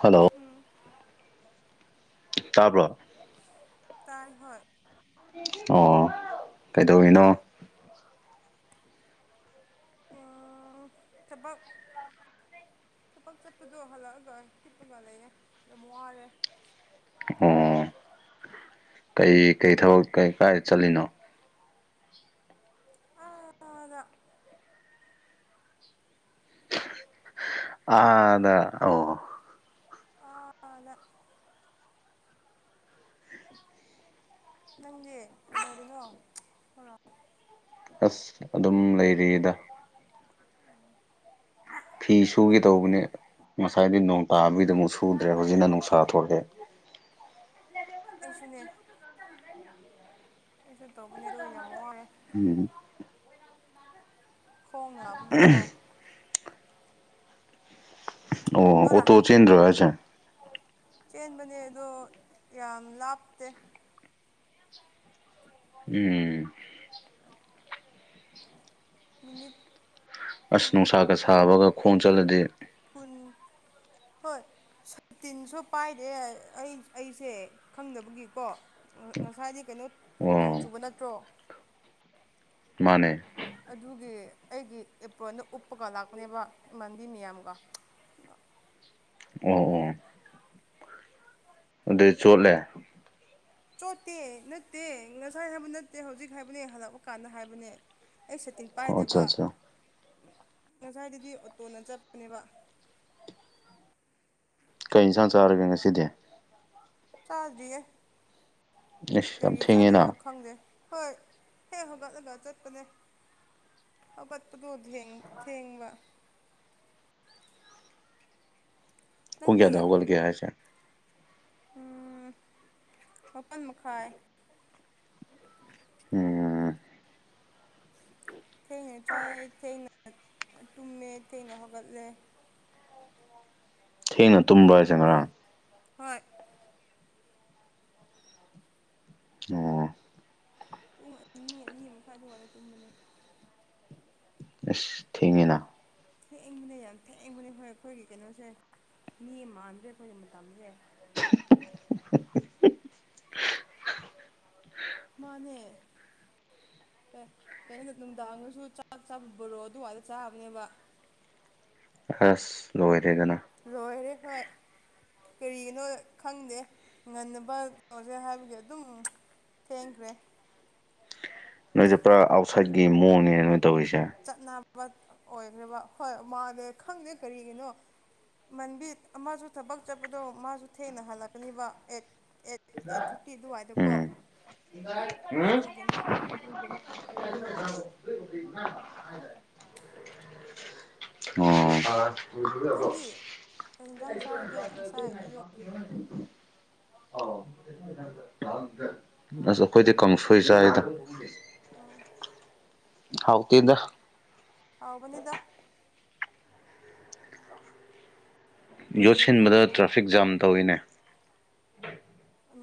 hello ꯎꯝ ꯇꯥꯕ꯭ꯔꯣ ꯇꯥꯏ ꯍꯣꯏ ꯑꯣ ꯀꯩꯗꯧꯔꯤꯅꯣ ꯎꯝ ꯊꯕꯛ ꯊꯕꯛ ꯆꯠꯄꯗꯣ ꯍꯜꯂꯛꯑꯒ ꯍꯤꯞꯄꯒ ꯂꯩꯌꯦ ꯌꯥꯝ ꯋꯥꯔꯦ ꯑꯣ ꯀꯩ ꯀꯩ ꯊꯕꯛ ꯀꯩ ꯀꯥꯏ ꯆꯠꯂꯤꯅꯣ ꯑꯥꯗ ꯑꯗ ꯑꯣ ꯑꯥꯗ ꯅꯪꯗꯤ ꯀꯩꯗꯧꯔꯤꯅꯣ ꯍꯥ ꯑꯁ ꯑꯗꯨꯝ ꯂꯩꯔꯤꯗ [inaudible] ꯐꯤ ꯁꯨꯒꯦ ꯇꯧꯕꯅꯤ ꯉꯁꯥꯏꯗꯤ ꯅꯣꯡ ꯇꯥꯕꯒꯤꯗ ꯑꯃꯨꯛ ꯁꯨꯗ꯭ꯔꯦ ꯍꯧꯖꯤꯛꯅ ꯅꯨꯡꯁꯥ ꯊꯣꯛꯂꯛꯑꯦ ꯑꯩꯁꯨꯅꯦ ꯑꯦꯁꯨ ꯇꯧꯕꯅꯦ ꯑꯗꯣ ꯌꯥꯝ ꯋꯥꯌꯦ ꯎꯝ ꯈꯣꯡ ꯂꯥꯛꯄꯒꯤ ꯀꯣ ꯑꯣ ꯇꯣꯔꯥ ꯑꯣꯇꯣ ꯆꯦꯟꯗ꯭ꯔꯣ ꯍꯥꯏꯁꯦ ꯆꯦꯟꯕꯅꯦ ꯑꯗꯣ ꯌꯥꯝ ꯂꯥꯞꯇꯦ ꯎꯝ ꯃꯤꯅꯤꯠ ꯑꯁ ꯎꯝ ꯅꯨꯡꯁꯥꯀ ꯁꯥꯕꯒ ꯈꯣꯡ ꯆꯣꯠꯂꯗꯤ ꯄꯟ ꯍꯣꯏ ꯁꯇꯤꯟꯁꯨ ꯄꯥꯏꯔꯦ ꯑꯩ ꯑꯩꯁꯦ ꯈꯪꯗꯕꯒꯤꯀꯣ ꯉꯁꯥꯏꯗꯤ ꯀꯩꯅꯣ ꯑꯣ ꯅꯣꯡꯆꯨꯕ ꯅꯠꯇ꯭ꯔꯣ ꯃꯥꯅꯦ ꯑꯗꯨꯒꯤ ꯑꯩꯒꯤ ꯑꯦꯄ꯭ꯔꯣꯟꯅ ꯎꯞꯄꯒ ꯂꯥꯛꯄꯅꯦꯕ ꯏꯃꯥꯟꯕꯤ ꯃꯌꯥꯝꯒ ꯑꯣ ꯑꯣ ꯑꯗꯨꯗꯩ ꯆꯣꯠꯂꯦ ꯆꯣꯠꯇꯦ ꯅꯠꯇꯦ ꯉꯁꯥꯏ ꯍꯥꯏꯕ ꯅꯠꯇꯦ ꯍꯧꯖꯤꯛ ꯍꯥꯏꯕꯅꯦ ꯍꯜꯂꯛꯄ ꯀꯥꯟꯗ ꯍꯥꯏꯕꯅꯦ ꯑꯩ ꯁꯇꯤꯟ ꯑꯣ ꯑꯠꯆꯥ ꯄꯥꯏꯗꯕ ꯑꯠꯆꯥ ꯉꯁꯥꯏꯗꯗꯤ ꯑꯣꯇꯣꯅ ꯆꯠꯄꯅꯦꯕ ꯀꯩ ꯏꯟꯁꯥꯡ ꯆꯥꯔꯒꯦ ꯉꯁꯤꯗꯤ ꯆꯥꯗ꯭ꯔꯤꯌꯦ ꯑꯦꯁ ꯌꯥꯝ ꯀꯔꯤ ꯊꯦꯡꯉꯦꯅ ꯆꯥꯗꯣꯏꯅꯣ ꯈꯪꯗꯦ ꯍꯣꯏ ꯍꯦ ꯍꯧꯒꯠꯂꯒ ꯆꯠꯄꯅꯦ ꯍꯧꯒꯠꯄꯗꯣ ꯊꯦꯡꯕ ꯄꯨꯡ ꯅꯨꯗꯤ ꯀꯌꯥꯗ ꯍꯧꯒꯠꯂꯒꯦ ꯍꯥꯏꯁꯦ ꯃꯥꯄꯜ ꯃꯈꯥꯏ ꯎꯝ ꯊꯦꯡꯅ ꯆꯥꯏꯑ ꯊꯦꯡꯅ ꯇꯨꯝꯃꯦ ꯊꯦꯡꯅ ꯍꯧꯒꯠꯂꯦ ꯊꯦꯡꯅ ꯇꯨꯝꯕ ꯍꯥꯏꯁꯦ ꯉꯔꯥꯡ ꯍꯣꯏ ꯑꯣ ꯄꯨꯡ ꯑꯅꯤ ꯑꯅꯤ ꯃꯈꯥꯏ ꯑꯗꯨꯋꯥꯏꯗ ꯇꯨꯝꯕꯅꯦ ꯑ ꯊꯦꯡꯉꯤꯅ ꯊꯦꯡꯕꯅꯦ ꯌꯥꯝ ꯊꯦꯡꯕꯅꯦ ꯍꯣꯏ ꯑꯩꯈꯣꯏꯒꯤ ꯀꯩꯅꯣꯁꯦ ꯃꯤ ꯃꯥꯟꯗ꯭ꯔꯦ ꯑꯩꯈꯣꯏꯒꯤ ꯃꯇꯝꯁꯦ ꯃꯅꯦ ꯑꯦ ꯀꯩꯅꯣꯗ ꯅꯨꯡꯗꯥꯡꯒꯁꯨ ꯆꯕꯣꯔꯣ ꯑꯗꯨꯋꯥꯏꯗ ꯆꯥꯕꯅꯦꯕ ꯑꯁ ꯂꯣꯏꯔꯦꯗꯅ ꯔꯣꯏꯔ ꯍ ꯀꯔꯤꯒꯤꯅꯣ ꯈꯪꯗꯦ ꯉꯟꯅꯕ ꯀꯩꯅꯣꯁꯦ ꯍꯥꯏꯕꯒꯤ ꯑꯗꯨꯝ ꯊꯦꯡꯈ꯭ꯔꯦ ꯅꯣꯏꯁꯦ ꯄꯨꯔꯥ ꯑꯥꯎꯠꯁꯥꯏꯠꯀꯤ ꯃꯑꯣꯡꯅꯦꯅ ꯅꯣꯏ ꯇꯧꯔꯤꯁꯦ ꯆꯠꯅꯕ ꯑꯣꯏꯈ꯭ꯔꯦꯕ ꯍꯣꯏ ꯃꯥꯜꯂꯦ ꯈꯪꯗꯦ ꯀꯔꯤꯒꯤꯅꯣ ꯃꯟꯕꯤꯠ ꯑꯃꯁꯨ ꯊꯕꯛ ꯆꯠꯄꯗꯣ ꯃꯥꯁꯨ ꯊꯦꯡꯅ ꯍꯜꯂꯛꯀꯅꯤꯕ ꯑꯦꯠ ꯑꯩꯠ ꯑꯩꯠ ꯊꯥꯔꯇꯤ ꯑꯗꯨꯋꯥꯏꯗ ꯀꯣ ꯎꯝ ꯍꯥꯏ ꯑꯣ ꯅꯪꯗꯤ ꯀꯩ ꯌꯦꯟꯖꯥꯡ ꯆꯥꯔꯒꯦ ꯉꯁꯥꯏ ꯑꯌꯨꯛ ꯦ ꯑꯁ ꯑꯩꯈꯣꯏꯗꯤ ꯀꯥꯡꯁꯣꯏ ꯆꯔꯤꯗ ꯄꯨꯛꯁ ꯎꯝ ꯍꯥꯎ ꯇꯗ ꯑꯥꯎꯕꯅꯤꯗ ꯀꯔꯤ ꯌꯣꯠꯁꯤꯟꯕꯗ ꯀꯥꯡꯁꯣꯏ ꯇ꯭ꯔꯥꯐꯤꯛ ꯖꯥꯝ ꯇꯧꯋꯤꯅꯦ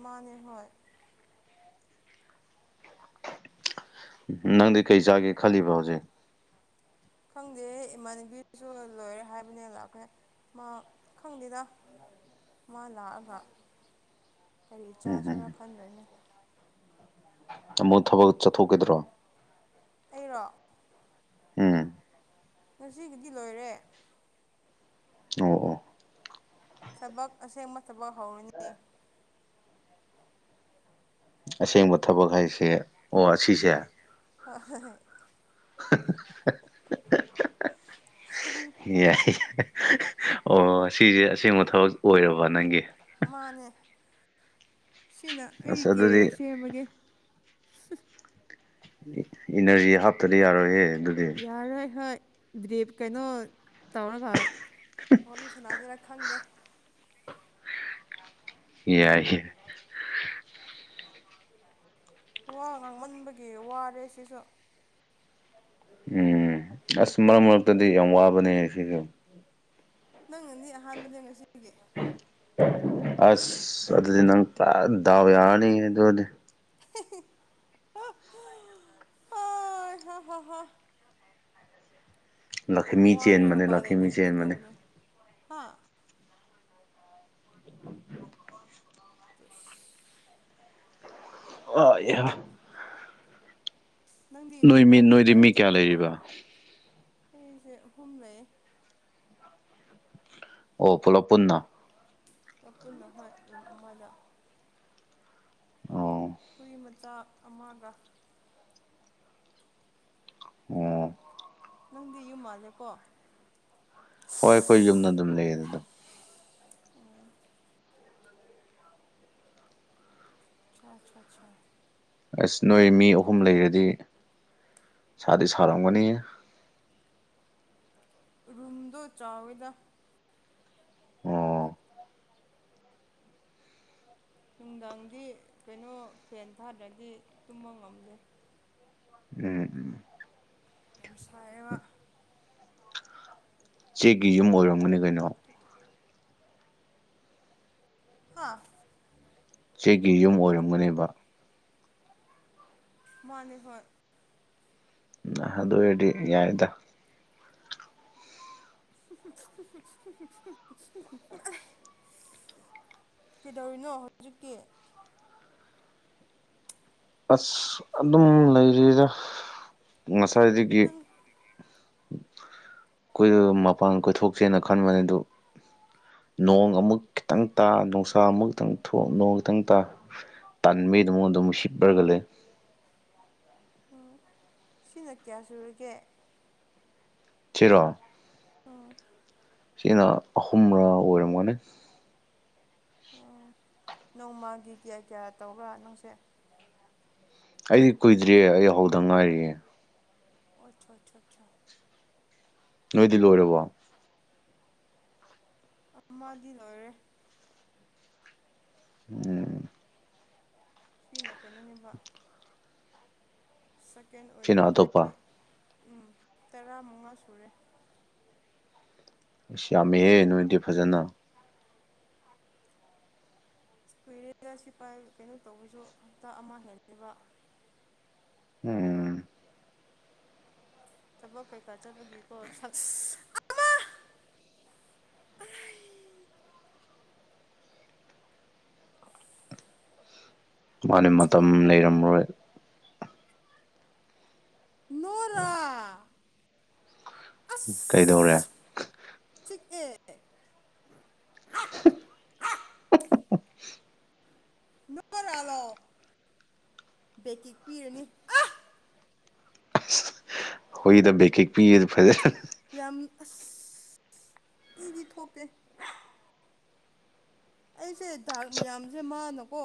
ꯃꯥꯅꯦ ꯍꯣꯏ ꯅꯪꯗꯤ ꯀꯩ ꯆꯥꯒꯦ ꯈꯜꯂꯤꯕ ꯍꯧꯖꯤꯛ ꯈꯪꯗꯦ ꯏꯃꯟꯒꯤꯁꯨ ꯂꯣꯏꯔꯦ ꯍꯥꯏꯕꯅꯦ ꯂꯥꯛꯄꯦ ꯃꯥ ꯈꯪꯗꯦꯗ ꯃꯥ ꯂꯥꯛꯑꯒ ꯀꯔꯤ ꯎꯝ ꯆꯥꯁꯤꯔꯥ ꯎꯝ ꯈꯟꯗꯣꯏꯅꯦ ꯑꯃꯨꯛ ꯊꯕꯛ ꯆꯠꯊꯣꯛꯈꯤꯗ꯭ꯔꯣ ꯑꯩꯔꯣ ꯎꯝ ꯉꯁꯤꯒꯤꯗꯤ ꯂꯣꯏꯔꯦ ꯑꯣ ꯑꯣ ꯊꯕꯛ ꯑꯁꯦꯡꯕ ꯊꯕꯛ ꯍꯧꯔꯅꯤ ꯑꯁꯦꯡꯕ ꯊꯕꯛ ꯍꯥꯏꯁꯦ ꯑꯣ ꯑꯁꯤꯁꯦ ꯍ ꯍꯣꯏꯣꯏ [unintelligible] ꯍ [inaudible] ꯌꯥꯏ ꯑꯣ ꯑꯁꯤꯁꯦ ꯑꯁꯦꯡꯕ ꯊꯕꯛ ꯑꯣꯏꯔꯕ ꯅꯪꯒꯤ ꯃꯥꯅꯦ ꯁꯤꯅ ꯑꯩꯒꯤ ꯑꯁ ꯑꯗꯨꯗꯤ ꯀꯦꯔꯤꯌꯔ ꯁꯦꯝꯃꯒꯦ ꯏꯅꯔꯖꯤ ꯍꯥꯞꯇꯗꯤ ꯌꯥꯔꯣꯏꯍꯦ ꯑꯗꯨ ꯌꯥꯔꯣꯏ ꯍꯣꯏ ꯗꯔ꯭ꯤꯞ ꯀꯩꯅꯣ ꯇꯧꯔꯒ ꯋꯥꯔꯤꯣ ꯁꯅꯥꯁꯤꯔ ꯈꯪꯗꯦ ꯌꯥꯏꯌꯦꯏ ꯋꯥ ꯉꯥꯡꯃꯟꯕꯒꯤ ꯋꯥꯔꯦ ꯁꯤꯁꯨ ꯎꯝ ꯑꯁ ꯃꯔꯛ ꯃꯔꯛꯇꯗꯤ ꯌꯥꯝ ꯋꯥꯕꯅꯦ ꯁꯤꯒ ꯅꯪ ꯉꯅꯤ ꯑꯍꯥꯟꯕꯅꯦ ꯉꯁꯤꯒꯤ ꯑ ꯑꯗꯨ ꯅ ꯇꯗꯥꯕ ꯌꯥꯅꯤ ꯑꯗꯨꯗꯤ ꯍ ꯍꯥ ꯍꯥ ꯍꯥ ꯌꯥꯝ ꯂꯛꯈꯤꯃꯤ ꯋꯥꯔꯦ ꯆꯦꯟꯕꯅꯦ ꯎꯄꯥꯏ ꯂꯛꯈꯤꯃꯤ ꯂꯩꯇꯕꯒꯤ ꯆꯦꯟꯕꯅꯦ ꯇꯧꯕꯅꯤ ꯍꯥ ꯇꯁ ꯑꯣ ꯌꯥ ꯅꯪꯗꯤ ꯅꯣꯏ ꯃꯤ ꯊꯕꯛ ꯅꯣꯏꯗꯤ ꯀꯩꯀꯥ ꯃꯤ ꯀꯌꯥ ꯆꯠꯇ꯭ꯔꯣ ꯂꯩꯔꯤꯕ ꯑꯩꯁꯦ ꯍꯨꯝ ꯂꯩꯌꯦ ꯑꯣ ꯄꯨꯂꯞ ꯄꯨꯟꯅ ꯃ ꯄꯨꯟꯅ ꯍꯣꯏ ꯔꯨꯝ ꯑꯃꯗ ꯑ ꯍꯨꯏ ꯃꯆꯥ ꯑꯃꯒ ꯑꯣ ꯅꯪꯗꯤ ꯌꯨꯝ ꯃꯥꯜꯂꯦꯀꯣ ꯍꯣꯏ ꯑꯩꯈꯣꯏ ꯌꯨꯝꯗ ꯑꯗꯨꯝ ꯂꯩꯌꯦ ꯑꯗꯨꯝ ꯑꯣ ꯑꯆꯥ ꯑꯆꯥ ꯑꯆꯥ ꯑꯁ ꯅꯣꯏ ꯃꯤ ꯑꯍꯨꯝ ꯂꯩꯔꯗꯤ ꯁꯥꯗꯤ ꯁꯥꯔꯝꯒꯅꯤ ꯔꯨꯝꯗꯣ ꯆꯥꯎꯋꯦꯗ ꯑꯣ ꯅꯨꯡꯗꯥꯡꯗꯤ ꯀꯩꯅꯣ ꯐꯦꯟ ꯊꯥꯗ꯭ꯔꯗꯤ ꯇꯨꯝꯕ ꯉꯝꯗꯦ ꯎꯝ ꯎꯝ ꯌꯥꯝ ꯁꯥꯏꯕ ꯆꯦꯛꯒꯤ ꯌꯨꯝ ꯑꯣꯏꯔꯝꯒꯅꯤ ꯀꯩꯅꯣ ꯍꯥꯥ ꯆꯦꯛꯒꯤ ꯌꯨꯝ ꯑꯣꯏꯔꯝꯒꯅꯦꯕ ꯃꯅꯤ ꯍꯣꯌ ꯑꯗꯨ ꯑꯣꯏꯔꯗꯤ ꯌꯥꯏꯗ [unintelligible] ꯀꯩꯗꯧꯔꯤꯅꯣ ꯍꯧꯖꯤꯛꯀꯤ ꯑꯁ ꯑꯗꯨꯝ ꯂꯩꯔꯤꯗ ꯉꯁꯥꯏꯗꯒꯤ ꯅꯪ ꯀꯣꯏꯗ ꯃꯄꯥꯟ ꯀꯣꯏꯊꯣꯛꯁꯦꯅ ꯈꯟꯕꯅꯤ ꯑꯗꯨ ꯅꯣꯡ ꯑꯃꯨꯛ ꯈꯤꯇꯪ ꯇꯥ ꯅꯨꯡꯁꯥ ꯑꯃꯨꯛ ꯈꯤꯇꯪ ꯊꯣꯛ ꯅꯣꯡ ꯈꯤꯇꯪ ꯇꯥ ꯇꯟꯕꯤꯗꯨꯃ ꯑꯗꯨꯝ ꯁꯤꯠꯄ꯭ꯔꯒꯜꯂꯦ ꯑꯣ ꯁꯤꯅ ꯀꯌꯥ ꯁꯨꯔꯒꯦ ꯁꯤꯔꯣ ꯑꯥ ꯁꯤꯅ ꯑꯍꯨꯝꯔꯛ ꯑꯣꯏꯔꯝꯒꯅꯤ ꯎꯝ ꯅꯣꯡꯃꯒꯤ ꯀꯌꯥ ꯀꯌꯥ ꯇꯧꯕꯔꯥ ꯅꯪꯁꯦ ꯑꯩꯗꯤ ꯀꯨꯏꯗ꯭ꯦ ꯑꯩ ꯍꯧꯗ ꯉꯥꯏꯔꯤꯌꯦ ꯑꯣꯆꯥ ꯑꯆꯥ ꯑꯆꯥ ꯅꯣꯏꯗꯤ ꯂꯣꯏꯔꯕꯣ ꯑꯃꯗꯤ ꯂꯣꯏꯔꯦ ꯎꯝ ꯀꯅ ꯀꯩꯅꯣꯅꯦꯕ ꯁꯦꯀꯦꯟ ꯁꯤꯅ ꯑꯣꯏꯗꯣꯏꯅꯤ ꯍꯥꯏꯗꯤ ꯑꯇꯣꯞꯄ ꯎꯝ ꯇꯔꯥ ꯃꯉꯥ ꯁꯨꯔꯦ ꯑꯁ ꯌꯥꯝꯃꯦꯍꯦ ꯅꯣꯏꯗꯤ ꯐꯖꯅ ꯐꯨꯏꯔꯦꯗ ꯁꯤꯐꯥꯏ ꯀꯩꯅꯣ ꯇꯧꯕꯁꯨ ꯍꯞꯇꯥ ꯑꯃ ꯍꯦꯜꯂꯦꯕ ꯎꯝ ꯊꯕꯛ ꯀꯩꯀꯥ ꯆꯠꯄꯒꯤꯀꯣ ꯃꯥꯅꯤ ꯃꯇꯝ ꯂꯩꯔꯝꯃꯔꯣꯏ ꯎꯝ ꯎ ꯀꯩꯗꯧꯔꯦ ꯑꯁ ꯆꯤꯛꯑꯦ [inaudible] ꯔꯥꯂꯣ ꯕꯦꯛꯀꯤꯛ ꯄꯤꯔꯅꯤ ꯍꯣꯏꯗ ꯦꯛꯀꯦ ꯄꯤꯗ ꯐꯖꯦ ꯌꯥꯝ ꯑꯁ ꯏꯗꯤ ꯊꯣꯛꯇꯦ ꯑꯩꯁꯦ ꯗꯥꯛ ꯃꯌꯥꯝꯁꯦ ꯃꯥꯅꯀꯣ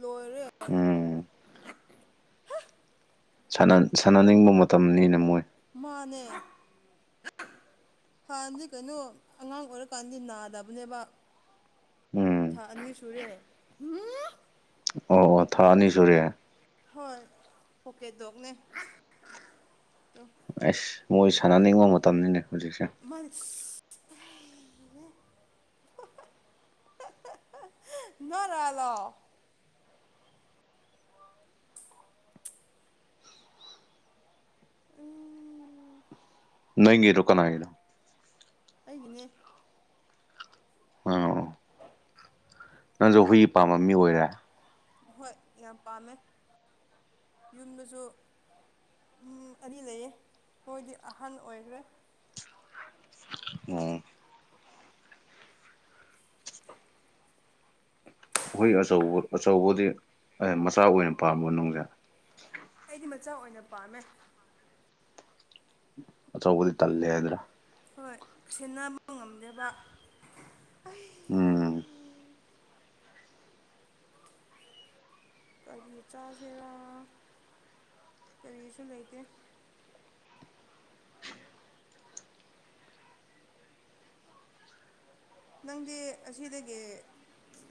ꯂꯣꯏꯔꯦ ꯎꯝ ꯁꯥꯟꯅꯅꯤꯡꯕ ꯃꯇꯝꯅꯤꯅ ꯃꯣꯏ ꯃꯥꯅꯦ ꯍꯥꯟꯅꯗꯤ ꯀꯩꯅꯣ ꯑꯉꯥꯡ ꯑꯣꯏꯔꯀꯥꯟꯗꯤ ꯅꯥꯗꯕꯅꯦꯕ ꯎꯝ ꯊꯥ ꯑꯅꯤ ꯁꯨꯔꯦ ꯑꯣ ꯑꯣ ꯊꯥ ꯑꯅꯤ ꯁꯨꯔꯦ ꯍꯣꯏ ꯄꯣꯀꯦꯗꯣꯛꯅꯦ ꯑ ꯑꯁ ꯃꯣꯏ ꯁꯥꯟꯅꯅꯤꯡꯕ ꯃꯇꯝꯅꯤꯅꯦ ꯍꯧꯖꯤꯛꯁꯦ ꯃꯜ ꯅ ꯂ ꯂ ꯎꯝ ꯅꯪꯒꯤꯔꯣꯀꯅꯥꯩꯅꯣ ꯑꯩꯒꯤꯅꯦ ꯑꯣ ꯅꯪꯁꯨ ꯍꯨꯏ ꯄꯥꯝꯕ ꯃꯤ ꯑꯣꯏꯔꯦ ꯍꯣꯏ ꯌꯥꯝ ꯄꯥꯝꯃꯦ ꯌꯨꯝꯗꯁꯨ ꯎ ꯑꯅꯤ ꯂꯩꯌꯦ ꯃꯣꯏꯗꯤ ꯑꯍꯟ ꯑꯣꯏꯈ꯭ꯔꯦ ꯑꯣꯝ ꯑꯩꯈꯣꯏ ꯑꯆꯧꯕ ꯑꯆꯧꯕꯗꯤ ꯃꯆꯥ ꯑꯣꯏꯅ ꯄꯥꯝꯕ ꯃꯅꯨꯡꯁꯦ ꯑꯩꯗꯤ ꯃꯆꯥ ꯑꯣꯏꯅ ꯄꯥꯝꯃꯦ ꯑꯆꯧꯕꯗꯤ ꯇꯜꯂꯦ ꯍꯥꯏꯗ꯭ꯔꯥ ꯍꯣꯏ ꯁꯦꯟꯅꯕ ꯉꯝꯗꯦꯕ ꯑꯩ ꯎꯝ ꯀꯔꯤ ꯆꯥꯁꯤꯔꯥ ꯀꯔꯤꯁꯨ ꯂꯩꯇꯦ ꯅꯪꯗꯤ ꯑꯁꯤꯗꯒꯤ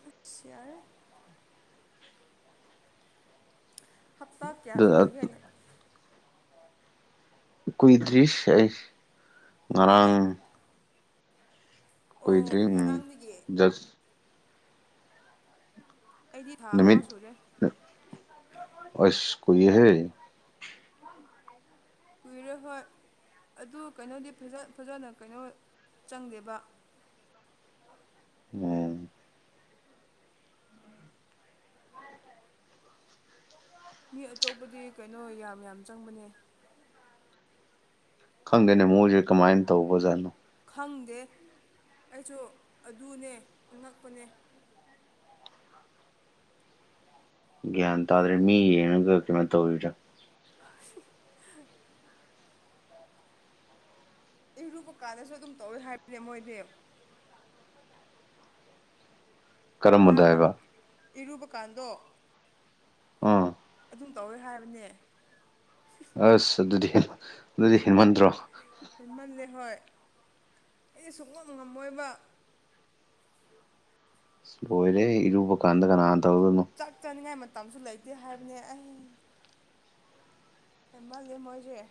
ꯑꯁ ꯌꯥꯔꯦ ꯍꯞꯇꯥ ꯀꯌꯥ ꯁꯨꯔꯒꯦ ꯅꯪ ꯀꯨꯏꯗ꯭ꯔꯤꯁ ꯑꯩ ꯀꯨꯏꯗꯤꯌꯦ ꯉꯔꯥꯡ ꯑꯣ ꯀꯨꯏꯗ꯭ꯔꯤ ꯎꯝ ꯉꯔꯥꯡꯗꯒꯤ ꯍꯁ- ꯑꯩꯗꯤ ꯊꯥ ꯑꯃ ꯅꯨꯃꯤꯠ ꯁꯨꯔꯦ [unintelligible] ꯑꯁ ꯀꯨꯏꯍꯦ ꯀꯨꯏꯔꯦ ꯍꯣꯏ ꯑꯗꯨ ꯀꯩꯅꯣꯗꯤ ꯐꯖꯅ ꯀꯩꯅꯣ ꯆꯪꯗꯦꯕ ꯎꯝ ꯃꯤ ꯑꯇꯣꯞꯄꯗꯤ ꯀꯩꯅꯣ ꯌꯥꯝ ꯌꯥꯝ ꯆꯪꯕꯅꯦ ꯈꯪꯗꯦꯅꯦ ꯃꯣꯏꯁꯦ ꯀꯃꯥꯏꯅ ꯇꯧꯕꯖꯥꯠꯅꯣ ꯈꯪꯗꯦ ꯑꯩꯁꯨ ꯑꯗꯨꯅꯦ ꯑꯉꯛꯄꯅꯦ ꯒ꯭ꯌꯥꯟ ꯇꯥꯗ꯭ꯔꯦ ꯃꯤ ꯌꯦꯡꯉꯒ ꯀꯩꯅꯣ ꯇꯧꯔꯤꯔꯥ [inaudible] ꯏꯔꯨꯕ ꯀꯥꯟꯗꯁꯨ ꯑꯗꯨꯝ ꯇꯧꯋꯤ ꯍꯥꯏꯕꯅꯦ ꯃꯣꯏꯗꯤ ꯀꯔꯝꯕꯗ ꯇꯥꯕ꯭ꯔꯥ ꯍꯥꯏꯕ ꯏꯔꯨꯕ ꯀꯥꯟꯗꯣ ꯎꯝ ꯑꯗꯨꯝ ꯇꯧꯋꯦ ꯍꯥꯏꯕꯅꯦ ꯑꯁ ꯑꯗꯨꯗꯤ ꯑꯗꯨꯗꯤ ꯍꯦꯟꯃꯟꯗ꯭ꯔꯣ ꯍꯦꯟꯃꯜꯂꯦ ꯍꯣꯏ ꯑꯩꯗꯤ ꯁꯨꯛꯉꯝ ꯉꯝꯃꯣꯏꯕ ꯂꯣꯏꯔꯦ ꯏꯔꯨꯕ ꯀꯥꯟꯗ ꯀꯅꯥꯅ ꯇꯧꯗꯣꯏꯃꯣ ꯆꯥꯛ ꯆꯥꯅꯤꯡꯉꯥꯏ ꯃꯇꯝꯁꯨ ꯂꯩꯇꯦ ꯍꯥꯏꯕꯅꯦ ꯑꯩ ꯍꯦꯟꯃꯟꯂꯦ ꯃꯣꯏꯁꯦ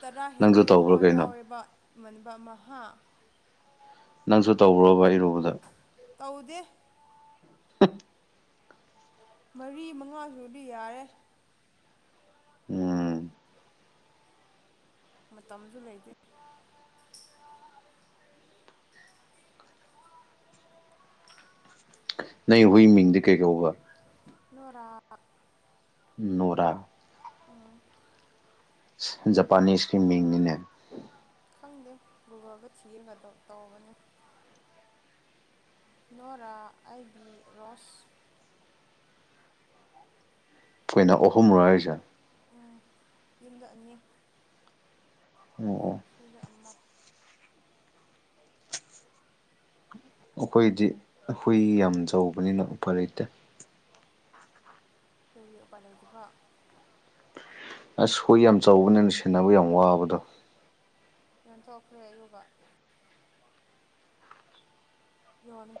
ꯇꯔꯥ ꯅꯪꯁꯨ ꯍꯦꯟꯕꯩ ꯇꯧꯕ꯭ꯔꯥ ꯑꯃ ꯀꯩꯅꯣ ꯌꯥꯎꯋꯦꯕ ꯃꯟꯕ ꯑꯃ ꯅꯪꯁꯨ ꯇꯧꯕ꯭ꯔꯣꯕ ꯏꯔꯨꯕꯗ ꯇꯧꯗꯦ [unintelligible] ꯃꯔꯤ ꯃꯉꯥꯁꯨꯔꯗꯤ ꯌꯥꯔꯦ ꯎꯝ ꯃꯇꯝꯁꯨ ꯂꯩꯇꯦ ꯅꯩ ꯍꯨꯏ ꯃꯤꯡꯗ ꯀꯩ ꯀꯧꯕ ꯅꯨꯔꯥ ꯅꯣꯔꯥ ꯎꯝ- ꯖꯄꯥꯟꯅꯤꯁꯀꯤ ꯃꯤꯡꯅꯤꯅꯦ ꯈꯪꯗꯦ ꯒꯨꯒꯜꯗ ꯊꯤꯔꯒ ꯇꯧꯕꯅꯦ ꯅꯣꯔꯥ ꯑꯥꯏꯕꯤ ꯔꯣꯁ ꯐꯨꯏꯅ ꯑꯍꯨꯝꯔꯣ ꯍꯥꯏꯔꯤꯁꯦ ꯎꯝ ꯌꯨꯝꯗ ꯑꯅꯤ ꯑꯣ ꯑꯣ ꯁꯤꯗ ꯑꯃ ꯑꯩꯈꯣꯏꯗꯤ ꯍꯨꯏ ꯌꯥꯝ ꯆꯥꯎꯕꯅꯤꯅ ꯎꯄꯥꯏ ꯂꯩꯇꯦ ꯀꯔꯤ ꯎꯄꯥꯏ ꯂꯩꯇꯕ ꯑꯁ ꯍꯨꯏ ꯌꯥꯝ ꯆꯥꯎꯕꯅꯤꯅ ꯁꯦꯟꯅꯕ ꯌꯥꯝ ꯋꯥꯕꯗꯣ ꯌꯣꯟꯊꯣꯛꯈ꯭ꯔꯦ ꯑꯗꯨꯒ ꯌꯣꯅꯤ